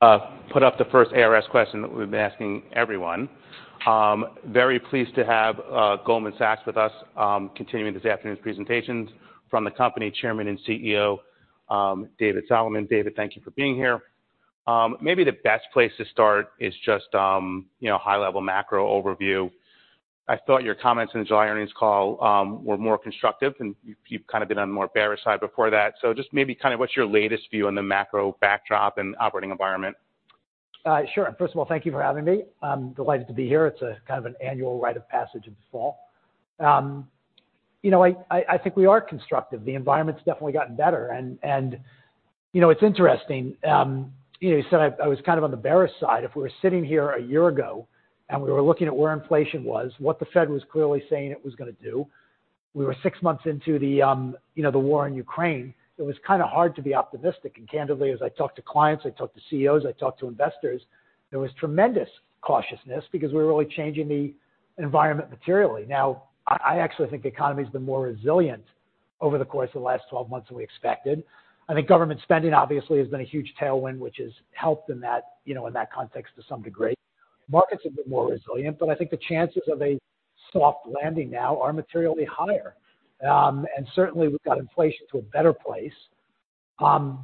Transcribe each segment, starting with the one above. Put up the first ARS question that we've been asking everyone. Very pleased to have Goldman Sachs with us, continuing this afternoon's presentations from the company, Chairman and CEO David Solomon. David, thank you for being here. Maybe the best place to start is just, you know, high-level macro overview. I thought your comments in the July earnings call were more constructive, and you've kind of been on the more bearish side before that. So just maybe kind of what's your latest view on the macro backdrop and operating environment? Sure. First of all, thank you for having me. I'm delighted to be here. It's a kind of an annual rite of passage in the fall. You know, I think we are constructive. The environment's definitely gotten better, and you know, it's interesting, you know, you said I was kind of on the bearish side. If we were sitting here a year ago and we were looking at where inflation was, what the Fed was clearly saying it was going to do, we were six months into the, you know, the war in Ukraine, it was kind of hard to be optimistic. And candidly, as I talked to clients, I talked to CEOs, I talked to investors, there was tremendous cautiousness because we were really changing the environment materially. Now, actually think the economy's been more resilient over the course of the last 12 months than we expected. I think government spending obviously has been a huge tailwind, which has helped in that, you know, in that context to some degree. Markets have been more resilient, but I think the chances of a soft landing now are materially higher. And certainly we've got inflation to a better place.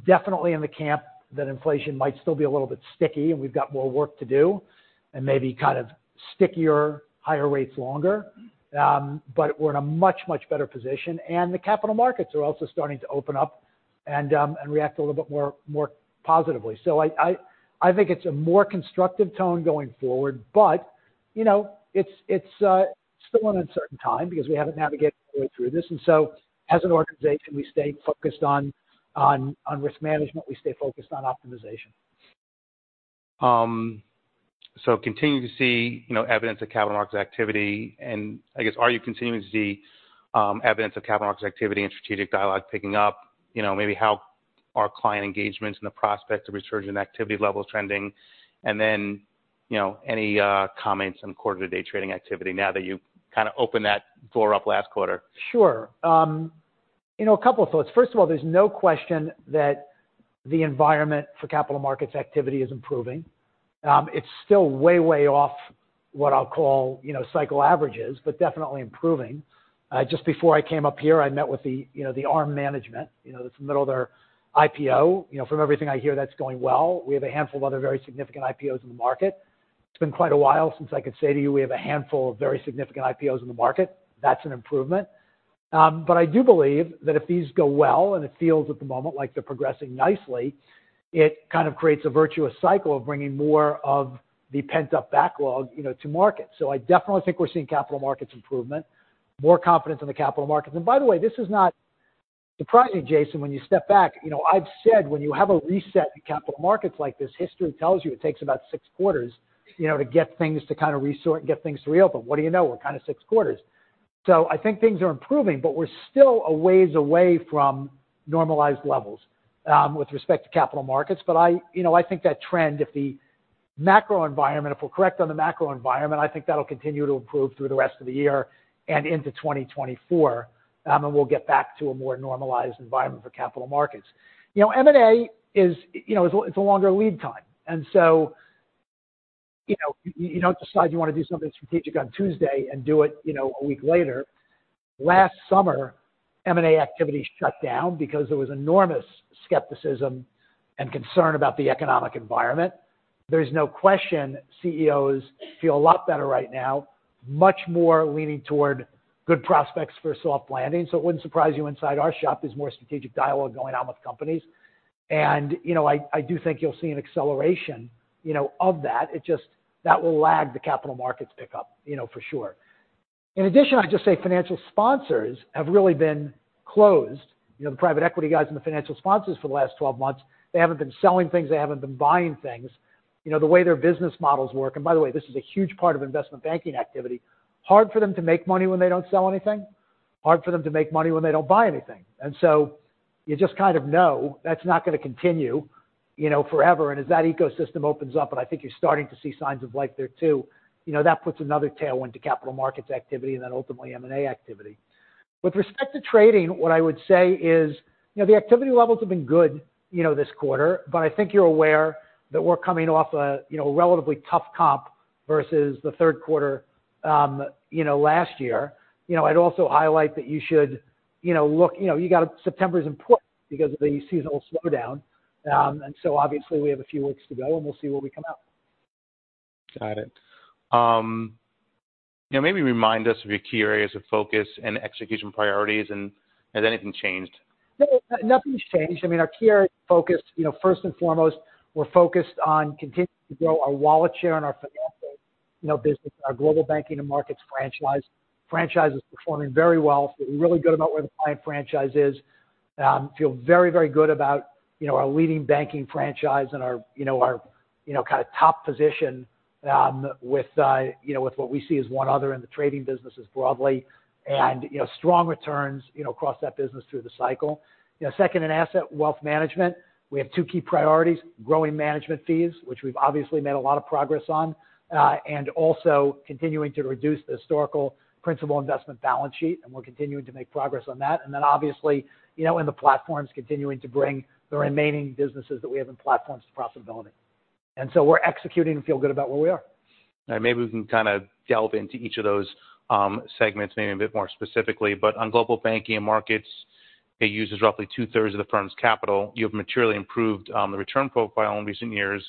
Definitely in the camp that inflation might still be a little bit sticky, and we've got more work to do and maybe kind of stickier, higher rates longer. But we're in a much, much better position, and the capital markets are also starting to open up and react a little bit more positively. So I think it's a more constructive tone going forward, but, you know, it's still an uncertain time because we haven't navigated our way through this, and so as an organization, we stay focused on risk management, we stay focused on optimization. So continuing to see, you know, evidence of capital markets activity, and I guess, are you continuing to see evidence of capital markets activity and strategic dialogue picking up? You know, maybe how are client engagements and the prospect of resurgent activity levels trending? And then, you know, any comments on quarter-to-date trading activity now that you've kind of opened that door up last quarter? Sure. You know, a couple of thoughts. First of all, there's no question that the environment for capital markets activity is improving. It's still way, way off what I'll call, you know, cycle averages, but definitely improving. Just before I came up here, I met with the, you know, the Arm management. You know, it's the middle of their IPO. You know, from everything I hear, that's going well. We have a handful of other very significant IPOs in the market. It's been quite a while since I could say to you, we have a handful of very significant IPOs in the market. That's an improvement. But I do believe that if these go well, and it feels at the moment like they're progressing nicely, it kind of creates a virtuous cycle of bringing more of the pent-up backlog, you know, to market. So I definitely think we're seeing capital markets improvement, more confidence in the capital markets. And by the way, this is not surprising, Jason, when you step back, you know, I've said when you have a reset in capital markets like this, history tells you it takes about six quarters, you know, to get things to kind of resort and get things to reopen. What do you know? We're kind of six quarters. So I think things are improving, but we're still a ways away from normalized levels with respect to capital markets. But I, you know, I think that trend, if the macro environment, if we're correct on the macro environment, I think that'll continue to improve through the rest of the year and into 2024, and we'll get back to a more normalized environment for capital markets. You know, M&A is, you know, it's a longer lead time, and so, you know, you don't decide you want to do something strategic on Tuesday and do it, you know, a week later. Last summer, M&A activity shut down because there was enormous skepticism and concern about the economic environment. There's no question CEOs feel a lot better right now, much more leaning toward good prospects for a soft landing. So it wouldn't surprise you inside our shop, there's more strategic dialogue going on with companies. And, you know, I, I do think you'll see an acceleration, you know, of that. It just. That will lag the capital markets pick up, you know, for sure. In addition, I'd just say financial sponsors have really been closed. You know, the private equity guys and the financial sponsors for the last 12 months, they haven't been selling things, they haven't been buying things. You know, the way their business models work, and by the way, this is a huge part of investment banking activity, hard for them to make money when they don't sell anything, hard for them to make money when they don't buy anything. And so you just kind of know that's not going to continue, you know, forever. And as that ecosystem opens up, and I think you're starting to see signs of life there, too, you know, that puts another tailwind to capital markets activity and then ultimately M&A activity. With respect to trading, what I would say is, you know, the activity levels have been good, you know, this quarter, but I think you're aware that we're coming off a, you know, relatively tough comp versus the third quarter, you know, last year. You know, I'd also highlight that you should, you know, look, September is important because of the seasonal slowdown. And so obviously, we have a few weeks to go, and we'll see where we come out. Got it. Now maybe remind us of your key areas of focus and execution priorities, and has anything changed? No, nothing's changed. I mean, our key areas of focus, you know, first and foremost, we're focused on continuing to grow our wallet share and our financial, you know, business, our Global Banking and Markets franchise. Franchise is performing very well. So we're really good about where the client franchise is. Feel very, very good about, you know, our leading banking franchise and our, you know, our, you know, kind of top position, with, you know, with what we see as number one in the trading businesses broadly, and, you know, strong returns, you know, across that business through the cycle. You know, second, in Asset & Wealth Management, we have two key priorities: growing management fees, which we've obviously made a lot of progress on, and also continuing to reduce the historical principal investment balance sheet, and we're continuing to make progress on that. And then obviously, you know, in the platforms, continuing to bring the remaining businesses that we have in platforms to profitability. And so we're executing and feel good about where we are. Maybe we can kind of delve into each of those, segments maybe a bit more specifically. On global banking and markets, it uses roughly two-thirds of the firm's capital. You have materially improved, the return profile in recent years.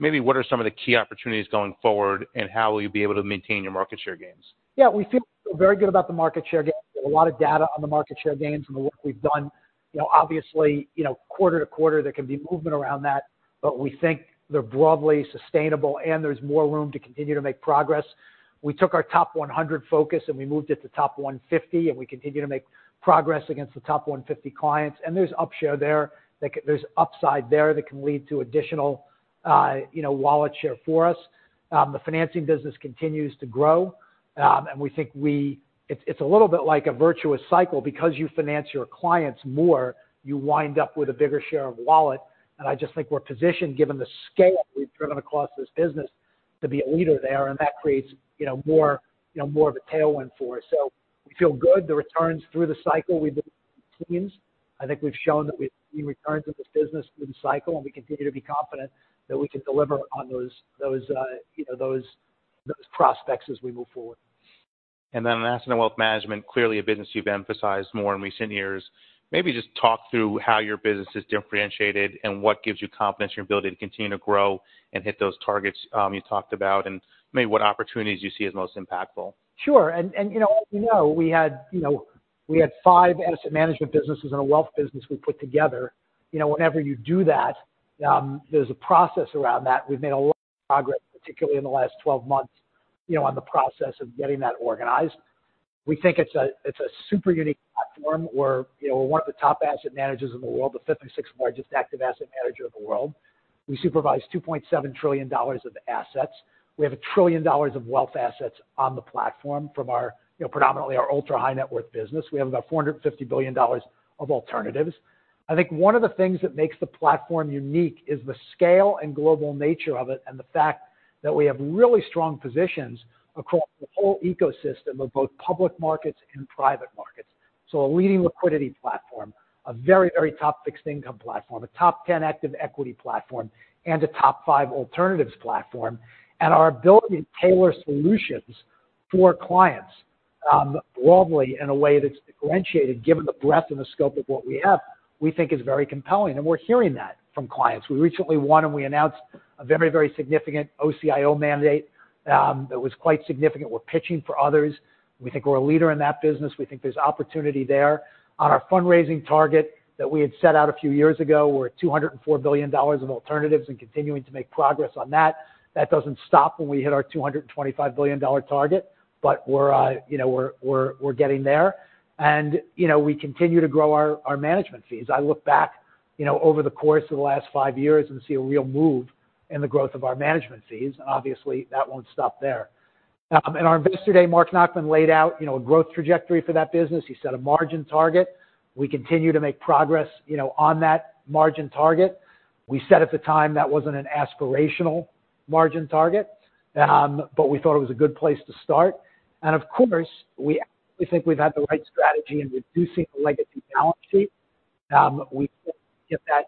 Maybe what are some of the key opportunities going forward, and how will you be able to maintain your market share gains? Yeah, we feel very good about the market share gains. There's a lot of data on the market share gains and the work we've done. You know, obviously, you know, quarter to quarter, there can be movement around that, but we think they're broadly sustainable, and there's more room to continue to make progress. We took our top 100 focus, and we moved it to top 150, and we continue to make progress against the top 150 clients. And there's upshare there that there's upside there that can lead to additional, you know, wallet share for us. The financing business continues to grow. And we think it's, it's a little bit like a virtuous cycle because you finance your clients more, you wind up with a bigger share of wallet. And I just think we're positioned, given the scale we've driven across this business, to be a leader there, and that creates, you know, more, you know, more of a tailwind for us. So we feel good. The returns through the cycle, we've seen. I think we've shown that we, we returns of this business through the cycle, and we continue to be confident that we can deliver on those, those, you know, those, those prospects as we move forward. And then on Asset & Wealth Management, clearly a business you've emphasized more in recent years. Maybe just talk through how your business is differentiated and what gives you confidence your ability to continue to grow and hit those targets, you talked about, and maybe what opportunities you see as most impactful. Sure. And you know, we had five asset management businesses and a wealth business we put together. You know, whenever you do that, there's a process around that. We've made a lot of progress, particularly in the last 12 months, you know, on the process of getting that organized. We think it's a super unique platform, where, you know, we're one of the top asset managers in the world, the 56th largest active asset manager in the world. We supervise $2.7 trillion of assets. We have $1 trillion of wealth assets on the platform from our, you know, predominantly our ultra-high net worth business. We have about $450 billion of alternatives. I think one of the things that makes the platform unique is the scale and global nature of it, and the fact that we have really strong positions across the whole ecosystem of both public markets and private markets. So a leading liquidity platform, a very, very top fixed income platform, a top 10 active equity platform, and a top 5 alternatives platform. And our ability to tailor solutions for clients, broadly in a way that's differentiated, given the breadth and the scope of what we have, we think is very compelling, and we're hearing that from clients. We recently won, and we announced a very, very significant OCIO mandate, that was quite significant. We're pitching for others. We think we're a leader in that business. We think there's opportunity there. On our fundraising target that we had set out a few years ago, we're at $204 billion of alternatives and continuing to make progress on that. That doesn't stop when we hit our $225 billion target, but we're, you know, getting there. You know, we continue to grow our management fees. I look back, you know, over the course of the last five years and see a real move in the growth of our management fees, and obviously, that won't stop there. In our Investor Day, Marc Nachmann laid out, you know, a growth trajectory for that business. He set a margin target. We continue to make progress, you know, on that margin target. We said at the time, that wasn't an aspirational margin target, but we thought it was a good place to start. And of course, we think we've had the right strategy in reducing the legacy balance sheet. We get that,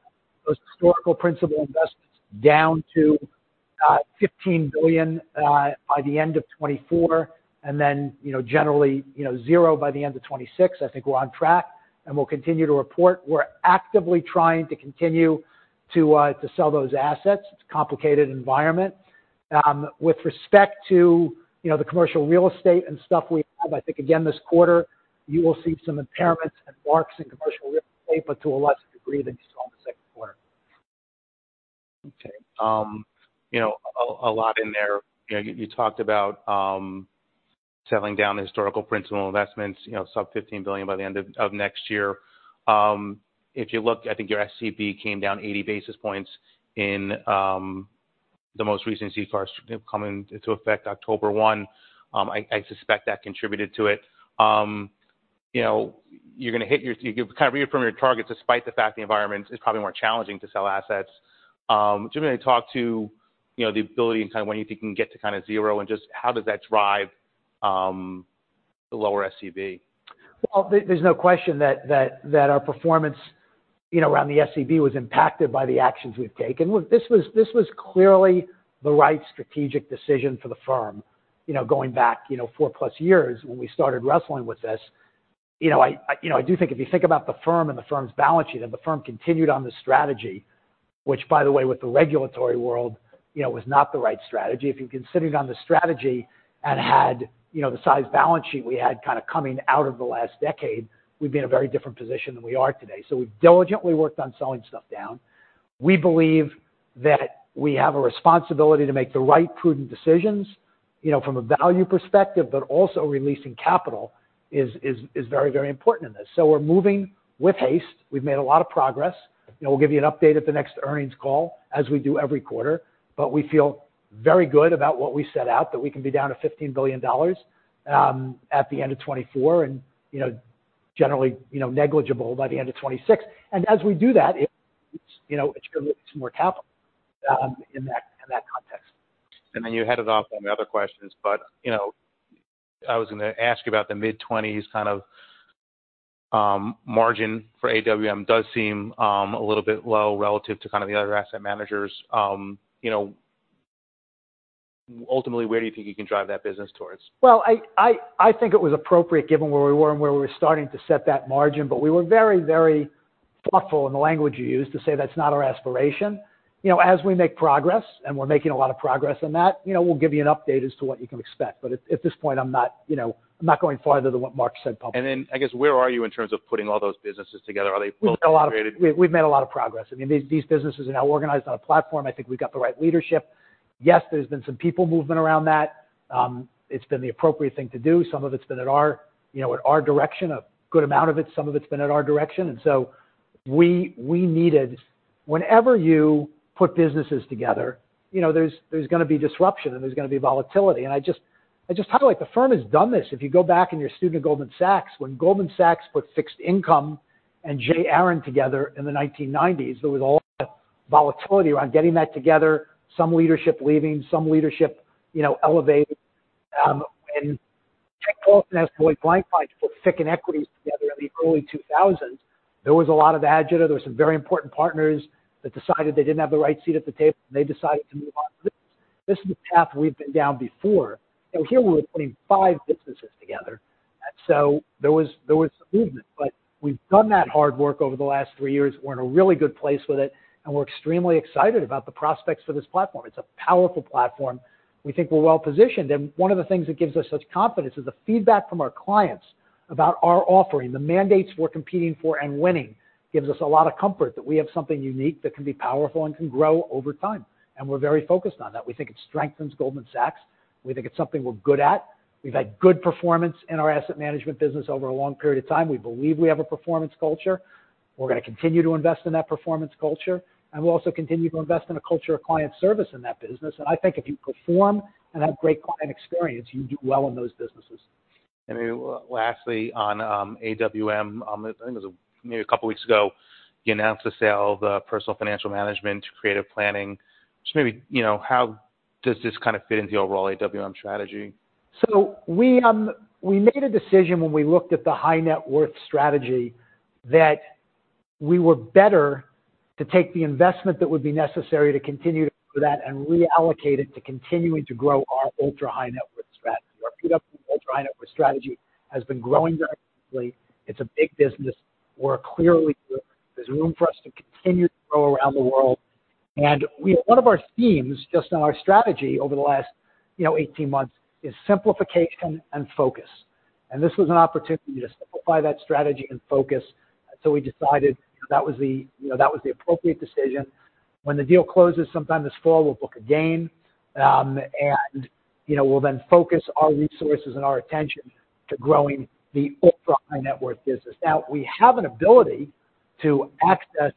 those historical principal investments down to $15 billion by the end of 2024, and then, generally, 0 by the end of 2026. I think we're on track, and we'll continue to report. We're actively trying to continue to sell those assets. It's a complicated environment. With respect to the commercial real estate and stuff we have, I think again, this quarter, you will see some impairments and marks in commercial real estate, but to a lesser degree than you saw in the second quarter. Okay. You know, a lot in there. You know, you talked about selling down the historical principal investments, you know, sub $15 billion by the end of next year. If you look, I think your SCB came down 80 basis points in the most recent CCARs coming into effect October 1. I suspect that contributed to it. You know, you're going to hit your - you kind of reaffirm your targets despite the fact the environment is probably more challenging to sell assets. Do you want to talk to, you know, the ability and kind of when you think you can get to kind of zero, and just how does that drive the lower SCB? Well, there's no question that our performance, you know, around the SCB was impacted by the actions we've taken. Look, this was clearly the right strategic decision for the firm, you know, going back, you know, 4-plus years when we started wrestling with this. You know, I do think if you think about the firm and the firm's balance sheet, and the firm continued on the strategy, which, by the way, with the regulatory world, you know, was not the right strategy. If you continued on the strategy and had, you know, the size balance sheet we had kind of coming out of the last decade, we'd be in a very different position than we are today. So we've diligently worked on selling stuff down. We believe that we have a responsibility to make the right prudent decisions, you know, from a value perspective, but also releasing capital is very, very important in this. So we're moving with haste. We've made a lot of progress. You know, we'll give you an update at the next earnings call, as we do every quarter, but we feel very good about what we set out, that we can be down to $15 billion at the end of 2024 and, you know, generally, you know, negligible by the end of 2026. And as we do that, it, you know, it's going to some more capital in that context. And then you headed off on the other questions, but, you know, I was going to ask you about the mid-twenties kind of margin for AWM does seem a little bit low relative to kind of the other asset managers. You know, ultimately, where do you think you can drive that business towards? Well, I think it was appropriate given where we were and where we were starting to set that margin. But we were very, very thoughtful in the language we used to say that's not our aspiration. You know, as we make progress, and we're making a lot of progress on that, you know, we'll give you an update as to what you can expect. But at this point, I'm not, you know, I'm not going farther than what Marc said publicly. Then, I guess, where are you in terms of putting all those businesses together? Are they fully integrated? We've made a lot of progress. I mean, these businesses are now organized on a platform. I think we've got the right leadership. Yes, there's been some people movement around that. It's been the appropriate thing to do. Some of it's been at our, you know, at our direction, a good amount of it. Some of it's been at our direction, and so we needed... Whenever you put businesses together, you know, there's going to be disruption and there's going to be volatility. And I just feel like the firm has done this. If you go back and you're a student of Goldman Sachs, when Goldman Sachs put fixed income and J. Aron together in the 1990s, there was a lot of volatility around getting that together, some leadership leaving, some leadership, you know, elevated. When Cohn and Lloyd Blankfein put FICC and equities together in the early 2000s, there was a lot of agita. There were some very important partners that decided they didn't have the right seat at the table, and they decided to move on. This is a path we've been down before, and here we're putting five businesses together. So there was some movement, but we've done that hard work over the last three years. We're in a really good place with it, and we're excited about the prospects for this platform. It's a powerful platform. We think we're well positioned, and one of the things that gives us such confidence is the feedback from our clients about our offering. The mandates we're competing for and winning gives us a lot of comfort that we have something unique that can be powerful and can grow over time, and we're very focused on that. We think it strengthens Goldman Sachs. We think it's something we're good at. We've had good performance in our asset management business over a long period of time. We believe we have a performance culture. We're going to continue to invest in that performance culture, and we'll also continue to invest in a culture of client service in that business. And I think if you perform and have great client experience, you do well in those businesses. Then lastly, on AWM, I think it was maybe a couple of weeks ago, you announced the sale of the Personal Financial Management to Creative Planning. Just maybe, you know, how does this kind of fit into the overall AWM strategy? So we made a decision when we looked at the high net worth strategy, that we were better to take the investment that would be necessary to continue to do that and reallocate it to continuing to grow our ultra high net worth strategy. Our ultra high net worth strategy has been growing dramatically. It's a big business. We're clearly there, there's room for us to continue to grow around the world. And we- one of our themes, just in our strategy over the last, you know, 18 months, is simplification and focus. And this was an opportunity to simplify that strategy and focus, so we decided that was the, you know, that was the appropriate decision. When the deal closes sometime this fall, we'll book a gain. And, you know, we'll then focus our resources and our attention to growing the ultra-high net worth business. Now, we have an ability to access,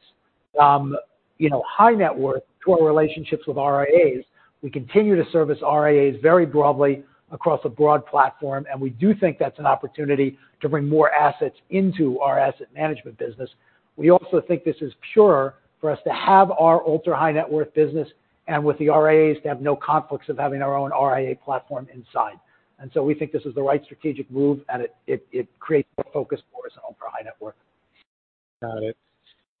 you know, high net worth to our relationships with RIAs. We continue to service RIAs very broadly across a broad platform, and we do think that's an opportunity to bring more assets into our asset management business. We also think this is pure for us to have our ultra high net worth business and with the RIAs, to have no conflicts of having our own RIA platform inside. And so we think this is the right strategic move, and it creates a focus for us on ultra high net worth. Got it.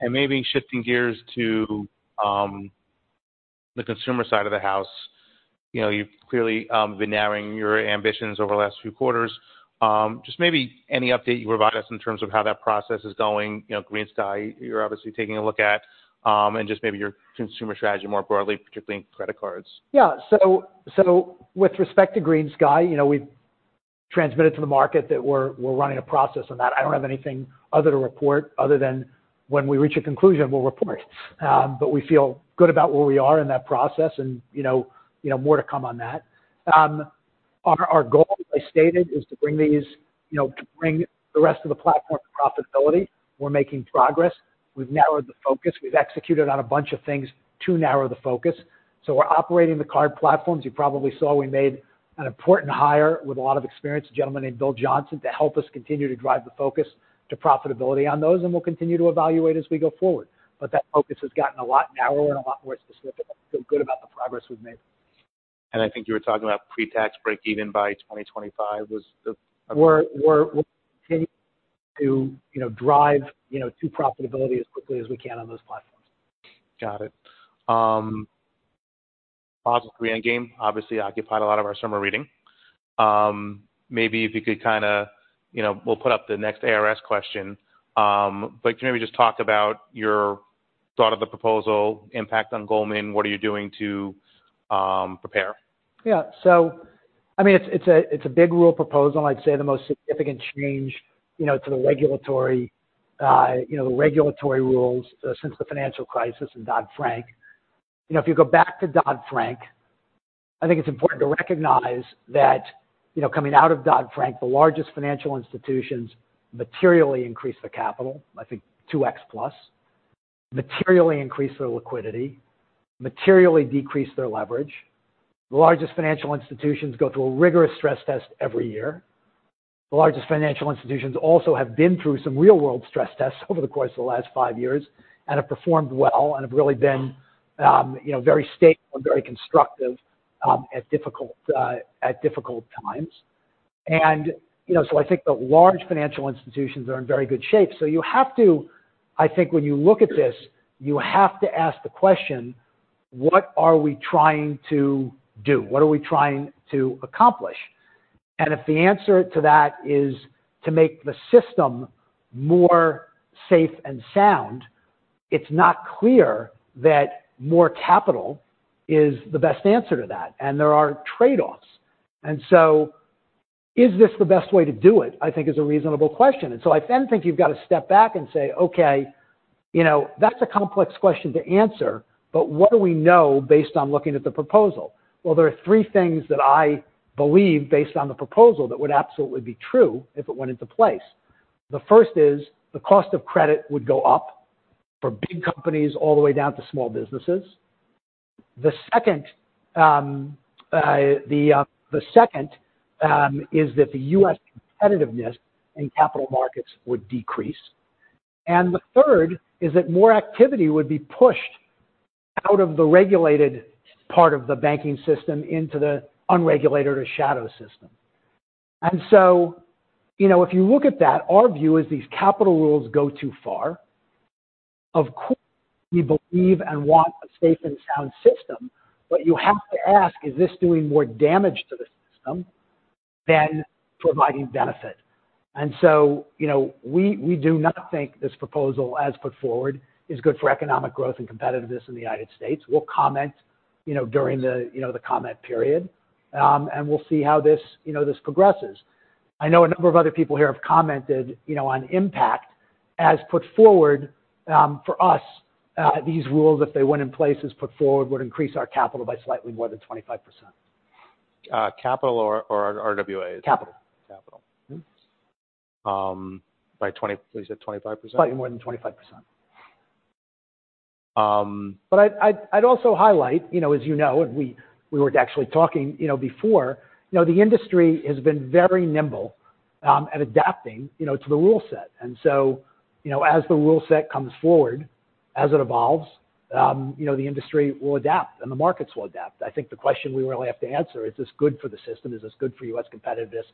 And maybe shifting gears to the consumer side of the house. You know, you've clearly been narrowing your ambitions over the last few quarters. Just maybe any update you can provide us in terms of how that process is going? You know, GreenSky, you're obviously taking a look at, and just maybe your consumer strategy more broadly, particularly in credit cards. Yeah. So with respect to GreenSky, you know, we've transmitted to the market that we're running a process on that. I don't have anything other to report other than when we reach a conclusion, we'll report. But we feel good about where we are in that process and, you know, more to come on that. Our goal, as I stated, is, you know, to bring the rest of the platform to profitability. We're making progress. We've narrowed the focus. We've executed on a bunch of things to narrow the focus, so we're operating the card platforms. You probably saw we made an important hire with a lot of experience, a gentleman named Bill Johnson, to help us continue to drive the focus to profitability on those, and we'll continue to evaluate as we go forward. But that focus has gotten a lot narrower and a lot more specific. I feel good about the progress we've made. I think you were talking about pre-tax break even by 2025, was the- We're continuing to, you know, drive, you know, to profitability as quickly as we can on those platforms. Got it. Obviously, Endgame obviously occupied a lot of our summer reading. Maybe if you could kind of, you know, we'll put up the next ARS question. But can you maybe just talk about your thought of the proposal, impact on Goldman? What are you doing to prepare? Yeah. So I mean, it's a big rule proposal. I'd say the most significant change, you know, to the regulatory, you know, regulatory rules since the financial crisis and Dodd-Frank. You know, if you go back to Dodd-Frank, I think it's important to recognize that, you know, coming out of Dodd-Frank, the largest financial institutions materially increased their capital, I think 2x plus. Materially increased their liquidity, materially decreased their leverage. The largest financial institutions go through a rigorous stress test every year. The largest financial institutions also have been through some real-world stress tests over the course of the last 5 years and have performed well and have really been, you know, very stable and very constructive, at difficult times. And, you know, so I think the large financial institutions are in very good shape. So you have to, I think when you look at this, you have to ask the question: What are we trying to do? What are we trying to accomplish? And if the answer to that is to make the system more safe and sound, it's not clear that more capital is the best answer to that, and there are trade-offs. And so is this the best way to do it? I think is a reasonable question. And so I then think you've got to step back and say, okay, you know, that's a complex question to answer, but what do we know based on looking at the proposal? Well, there are three things that I believe, based on the proposal, that would absolutely be true if it went into place. The first is, the cost of credit would go up for big companies all the way down to small businesses. The second is that the U.S. competitiveness in capital markets would decrease. The third is that more activity would be pushed out of the regulated part of the banking system into the unregulated or shadow system. So, you know, if you look at that, our view is these capital rules go too far. Of course, we believe and want a safe and sound system, but you have to ask, is this doing more damage to the system than providing benefit? So, you know, we do not think this proposal, as put forward, is good for economic growth and competitiveness in the United States. We'll comment, you know, during the comment period, and we'll see how this progresses. I know a number of other people here have commented, you know, on impact as put forward, for us, these rules, if they went in place as put forward, would increase our capital by slightly more than 25%. Capital or RWAs? Capital. Capital. By 20... You said 25%? Slightly more than 25%. Um- But I'd also highlight, you know, as you know, and we were actually talking, you know, before, you know, the industry has been very nimble at adapting, you know, to the rule set. So, you know, as the rule set comes forward, as it evolves, you know, the industry will adapt and the markets will adapt. I think the question we really have to answer is, is this good for the system? Is this good for U.S. competitiveness?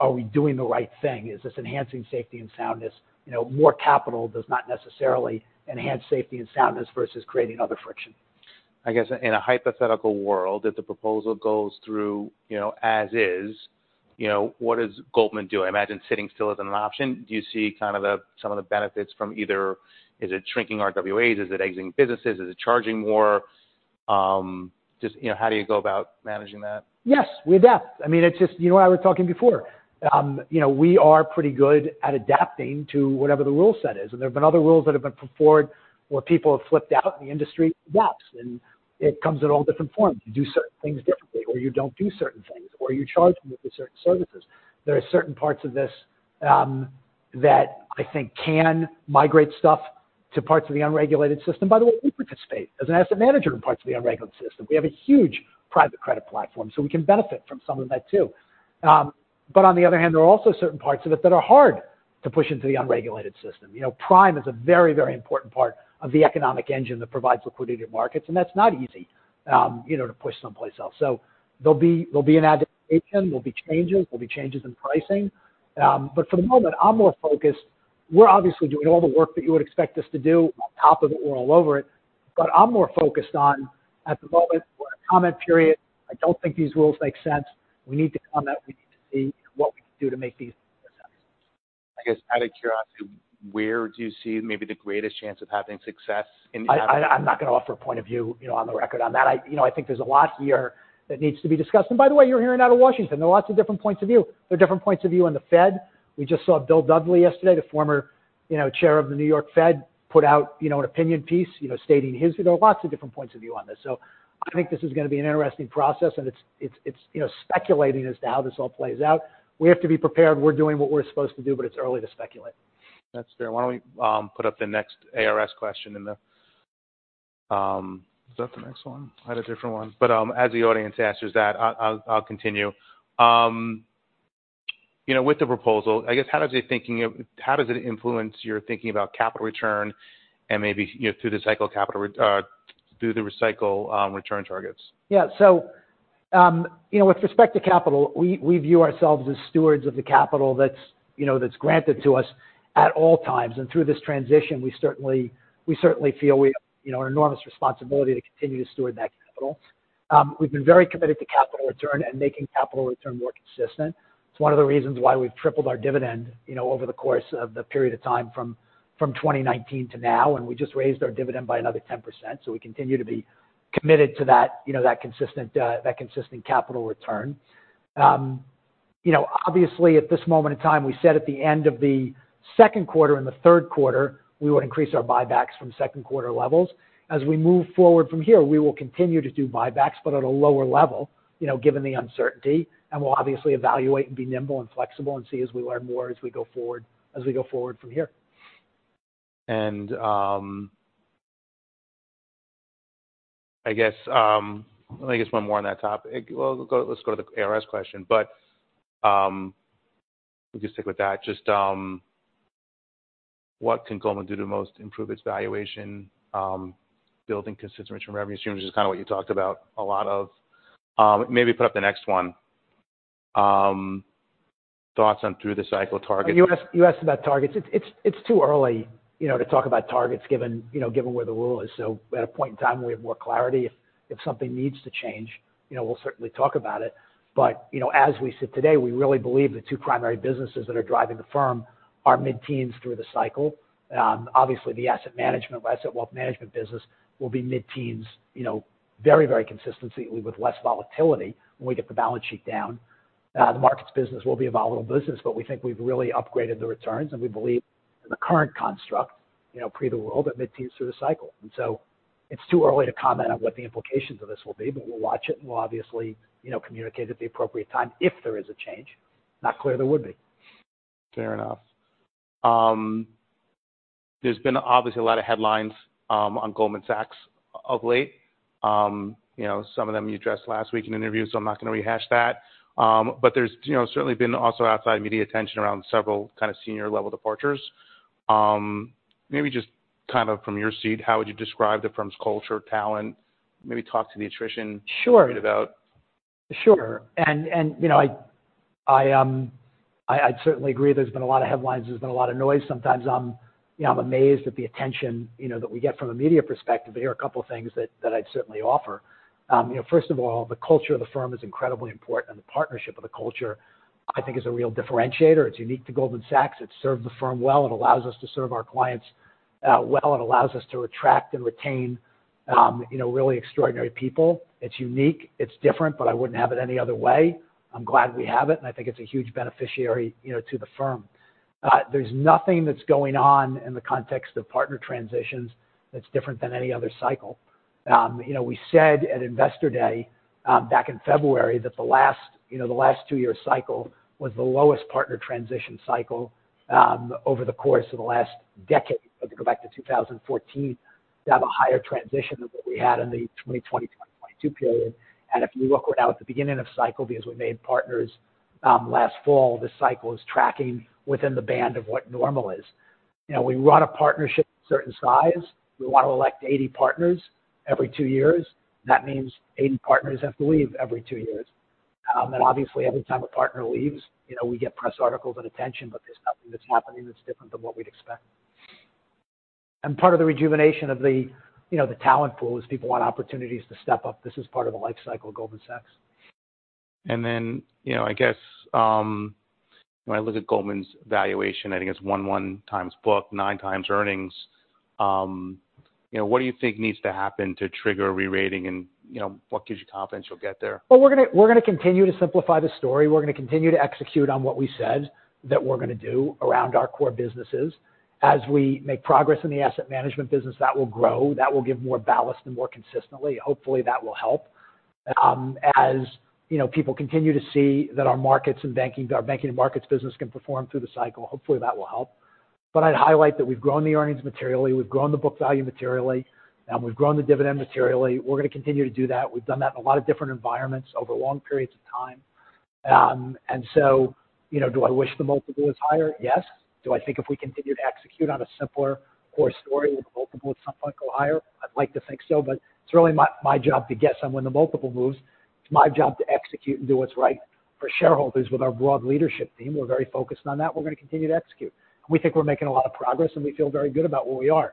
Are we doing the right thing? Is this enhancing safety and soundness? You know, more capital does not necessarily enhance safety and soundness versus creating other friction. I guess in a hypothetical world, if the proposal goes through, you know, as is, you know, what does Goldman do? I imagine sitting still isn't an option. Do you see kind of the... some of the benefits from either, is it shrinking RWAs? Is it exiting businesses? Is it charging more? Just, you know, how do you go about managing that? Yes, we adapt. I mean, it's just, you know, I was talking before. You know, we are pretty good at adapting to whatever the rule set is, and there have been other rules that have been put forward where people have flipped out, and the industry adapts, and it comes in all different forms. You do certain things differently, or you don't do certain things, or you charge more for certain services. There are certain parts of this that I think can migrate stuff to parts of the unregulated system. By the way, we participate as an asset manager in parts of the unregulated system. We have a huge private credit platform, so we can benefit from some of that too. But on the other hand, there are also certain parts of it that are hard to push into the unregulated system. You know, Prime is a very, very important part of the economic engine that provides liquidity to markets, and that's not easy, you know, to push someplace else. So there'll be, there'll be an adaptation, there'll be changes, there'll be changes in pricing. But for the moment, I'm more focused. We're obviously doing all the work that you would expect us to do. On top of it, we're all over it. But I'm more focused on, at the moment, we're in a comment period. I don't think these rules make sense. We need to comment. We need to see what we can do to make these success. I guess, out of curiosity, where do you see maybe the greatest chance of having success in- I'm not going to offer a point of view, you know, on the record on that. You know, I think there's a lot here that needs to be discussed. And by the way, you're hearing out of Washington, there are lots of different points of view. There are different points of view on the Fed. We just saw Bill Dudley yesterday, the former, you know, chair of the New York Fed, put out, you know, an opinion piece, you know, stating his view. There are lots of different points of view on this. So I think this is going to be an interesting process, and it's, you know, speculating as to how this all plays out. We have to be prepared. We're doing what we're supposed to do, but it's early to speculate. That's fair. Why don't we put up the next ARS question in the... Is that the next one? I had a different one. But as the audience asks you that, I'll, I'll continue. You know, with the proposal, I guess, how does it thinking of—how does it influence your thinking about capital return and maybe, you know, through the cycle capital, through the cycle, return targets? Yeah. So, you know, with respect to capital, we, we view ourselves as stewards of the capital that's, you know, that's granted to us at all times. And through this transition, we certainly, we certainly feel we, you know, an enormous responsibility to continue to steward that capital. We've been very committed to capital return and making capital return more consistent. It's one of the reasons why we've tripled our dividend, you know, over the course of the period of time from, from 2019 to now, and we just raised our dividend by another 10%. So we continue to be committed to that, you know, that consistent, that consistent capital return. You know, obviously, at this moment in time, we said at the end of the second quarter and the third quarter, we would increase our buybacks from second quarter levels. As we move forward from here, we will continue to do buybacks, but at a lower level, you know, given the uncertainty. We'll obviously evaluate and be nimble and flexible and see as we learn more as we go forward, as we go forward from here. I guess one more on that topic. Well, let's go, let's go to the ARS question, but we can stick with that. Just, what can Goldman do to most improve its valuation? Building consistent return revenue streams is kind of what you talked about a lot of. Maybe put up the next one. Thoughts on through the cycle target. You asked about targets. It's too early, you know, to talk about targets, given, you know, where the world is. So at a point in time, we have more clarity. If something needs to change, you know, we'll certainly talk about it. But, you know, as we sit today, we really believe the two primary businesses that are driving the firm are mid-teens through the cycle. Obviously, the asset management, asset wealth management business will be mid-teens, you know, very, very consistency with less volatility when we get the balance sheet down. The markets business will be a volatile business, but we think we've really upgraded the returns, and we believe in the current construct, you know, pre the world at mid-teens through the cycle. So it's too early to comment on what the implications of this will be, but we'll watch it, and we'll obviously, you know, communicate at the appropriate time if there is a change. Not clear there would be. Fair enough. There's been obviously a lot of headlines on Goldman Sachs of late. You know, some of them you addressed last week in interviews, so I'm not going to rehash that. But there's, you know, certainly been also outside media attention around several kind of senior-level departures. Maybe just kind of from your seat, how would you describe the firm's culture, talent? Maybe talk to the attrition- Sure. -a bit about. Sure. You know, I'd certainly agree there's been a lot of headlines, there's been a lot of noise. Sometimes you know, I'm amazed at the attention, you know, that we get from a media perspective. But here are a couple of things that I'd certainly offer. You know, first of all, the culture of the firm is incredibly important, and the partnership of the culture, I think, is a real differentiator. It's unique to Goldman Sachs. It's served the firm well. It allows us to serve our clients well. It allows us to attract and retain you know, really extraordinary people. It's unique, it's different, but I wouldn't have it any other way. I'm glad we have it, and I think it's a huge beneficiary, you know, to the firm. There's nothing that's going on in the context of partner transitions that's different than any other cycle. You know, we said at Investor Day, back in February that the last, you know, the last two-year cycle was the lowest partner transition cycle, over the course of the last decade. If you go back to 2014, we have a higher transition than what we had in the 2020 to 2022 period. And if you look we're now at the beginning of cycle because we made partners, last fall, the cycle is tracking within the band of what normal is. You know, we run a partnership of a certain size. We want to elect 80 partners every two years. That means 80 partners have to leave every two years. Obviously, every time a partner leaves, you know, we get press articles and attention, but there's nothing that's happening that's different than what we'd expect. Part of the rejuvenation of the, you know, the talent pool is people want opportunities to step up. This is part of the life cycle of Goldman Sachs. Then, you know, I guess, when I look at Goldman's valuation, I think it's 1.1x book, 9x earnings. You know, what do you think needs to happen to trigger a rerating? And, you know, what gives you confidence you'll get there? Well, we're going to, we're going to continue to simplify the story. We're going to continue to execute on what we said that we're going to do around our core businesses. As we make progress in the asset management business, that will grow. That will give more ballast and more consistently. Hopefully, that will help. As you know, people continue to see that our markets and banking, our banking and markets business can perform through the cycle. Hopefully, that will help. But I'd highlight that we've grown the earnings materially, we've grown the book value materially, and we've grown the dividend materially. We're going to continue to do that. We've done that in a lot of different environments over long periods of time. And so, you know, do I wish the multiple was higher? Yes. Do I think if we continue to execute on a simpler core story, will the multiple at some point go higher? I'd like to think so, but it's really my, my job to get some when the multiple moves. It's my job to execute and do what's right for shareholders with our broad leadership team. We're very focused on that. We're going to continue to execute. We think we're making a lot of progress, and we feel very good about where we are.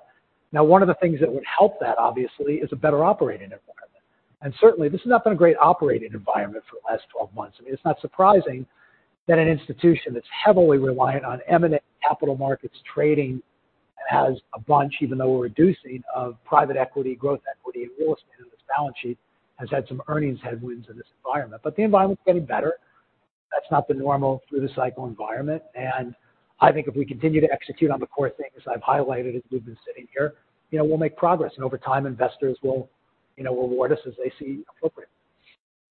Now, one of the things that would help that, obviously, is a better operating environment. Certainly, this has not been a great operating environment for the last 12 months. I mean, it's not surprising that an institution that's heavily reliant on investment capital markets trading and has a bunch, even though we're reducing, of private equity, growth equity, and real estate on its balance sheet, has had some earnings headwinds in this environment. But the environment is getting better. That's not the normal through the cycle environment. And I think if we continue to execute on the core things I've highlighted as we've been sitting here, you know, we'll make progress, and over time, investors will, you know, reward us as they see appropriate.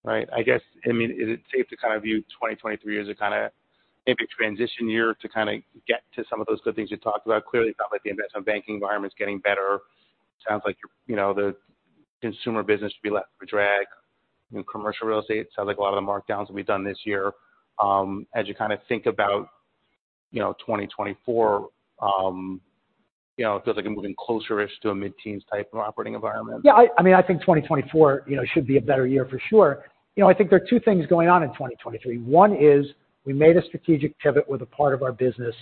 Right. I guess, I mean, is it safe to kind of view 2023 as a kind of maybe transition year to kind of get to some of those good things you talked about? Clearly, it's not like the investment banking environment is getting better. It sounds like, you know, the consumer business should be left for drag. In commercial real estate, sounds like a lot of the markdowns will be done this year. As you kind of think about, you know, 2024, you know, it feels like I'm moving closer-ish to a mid-teens type of operating environment. Yeah, I mean, I think 2024, you know, should be a better year for sure. You know, I think there are two things going on in 2023. One is we made a strategic pivot with a part of our business,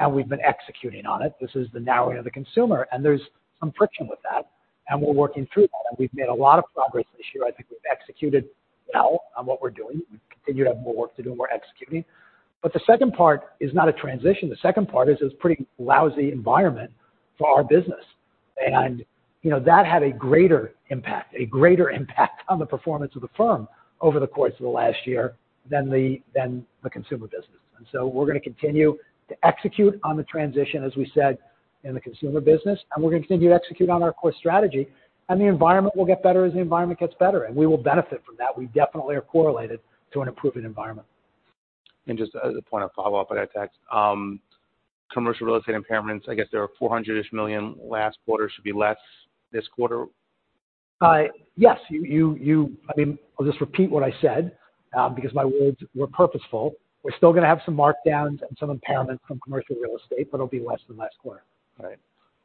and we've been executing on it. This is the narrowing of the consumer, and there's some friction with that, and we're working through that. And we've made a lot of progress this year. I think we've executed well on what we're doing. We continue to have more work to do, and we're executing. But the second part is not a transition. The second part is, it's pretty lousy environment for our business. And, you know, that had a greater impact, a greater impact on the performance of the firm over the course of the last year than the, than the consumer business. And so we're going to continue to execute on the transition, as we said, in the consumer business, and we're going to continue to execute on our core strategy, and the environment will get better as the environment gets better, and we will benefit from that. We definitely are correlated to an improving environment. Just as a point of follow-up on that, commercial real estate impairments, I guess there are $400-ish million last quarter, should be less this quarter?... Yes, you, I mean, I'll just repeat what I said, because my words were purposeful. We're still going to have some markdowns and some impairment from commercial real estate, but it'll be less than last quarter. Right.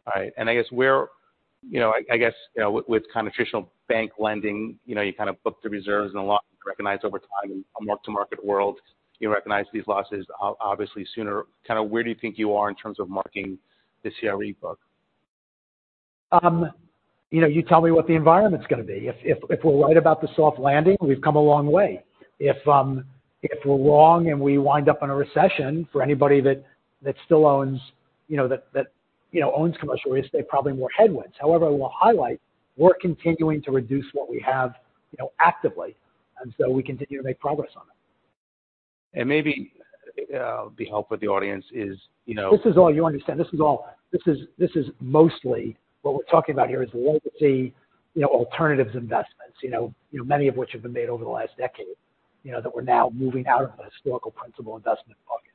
All right. And I guess we're, you know, I, I guess, you know, with, with kind of traditional bank lending, you know, you kind of book the reserves and allocate, recognize over time in a mark-to-market world. You recognize these losses obviously sooner. Kind of, where do you think you are in terms of marking the CRE book? You know, you tell me what the environment's going to be. If we're right about the soft landing, we've come a long way. If we're wrong and we wind up in a recession, for anybody that still owns, you know, owns commercial real estate, probably more headwinds. However, we'll highlight, we're continuing to reduce what we have, you know, actively, and so we continue to make progress on it. And maybe be helpful with the audience is, you know- This is all you understand. This is all—this is mostly what we're talking about here is legacy, you know, alternatives investments, you know, you know, many of which have been made over the last decade. You know, that we're now moving out of the historical principal investment bucket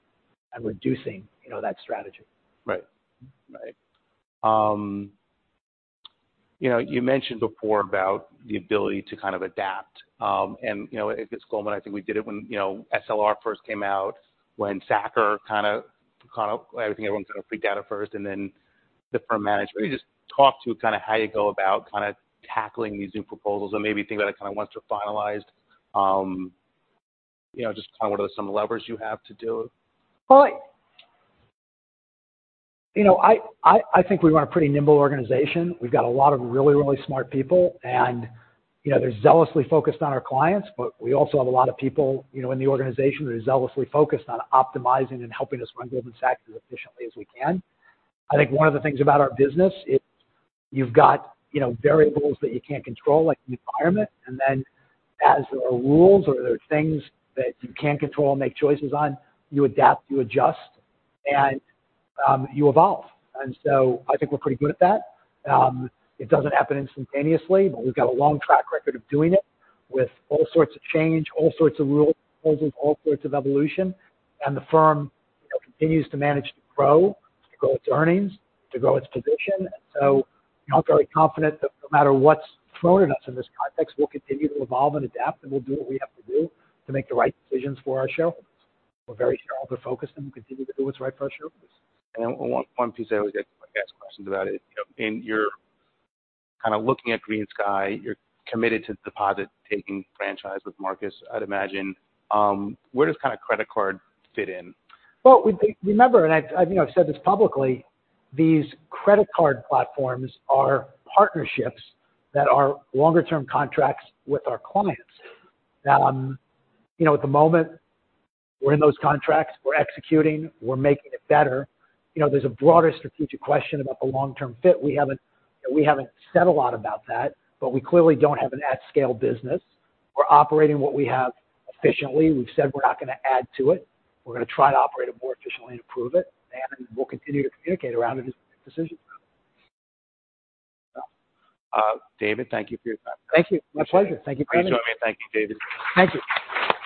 and reducing, you know, that strategy. Right. Right. You know, you mentioned before about the ability to kind of adapt. And, you know, at Goldman, I think we did it when, you know, SLR first came out, when SCB kind of, I think everyone kind of freaked out at first and then the firm managed. Maybe just talk to kind of how you go about kind of tackling these new proposals and maybe things that are kind of once they're finalized. You know, just kind of what are some levers you have to do? Well, you know, I think we run a pretty nimble organization. We've got a lot of really, really smart people, and, you know, they're zealously focused on our clients. But we also have a lot of people, you know, in the organization that are zealously focused on optimizing and helping us run Goldman Sachs as efficiently as we can. I think one of the things about our business is you've got, you know, variables that you can't control, like the environment, and then as there are rules or there are things that you can control and make choices on, you adapt, you adjust, and you evolve. And so I think we're pretty good at that. It doesn't happen instantaneously, but we've got a long track record of doing it with all sorts of change, all sorts of rule proposals, all sorts of evolution. The firm, you know, continues to manage, to grow, to grow its earnings, to grow its position. I'm very confident that no matter what's thrown at us in this context, we'll continue to evolve and adapt, and we'll do what we have to do to make the right decisions for our shareholders. We're very narrow, but focused, and we continue to do what's right for our shareholders. One piece I always get asked questions about it. In your kind of looking at GreenSky, you're committed to the deposit-taking franchise with Marcus, I'd imagine. Where does kind of credit card fit in? Well, remember, and I've, you know, I've said this publicly, these credit card platforms are partnerships that are longer term contracts with our clients. You know, at the moment, we're in those contracts, we're executing, we're making it better. You know, there's a broader strategic question about the long-term fit. We haven't, we haven't said a lot about that, but we clearly don't have an at-scale business. We're operating what we have efficiently. We've said we're not going to add to it. We're going to try to operate it more efficiently and improve it, and we'll continue to communicate around it as decision. David, thank you for your time. Thank you. My pleasure. Thank you for having me. Thank you, David. Thank you.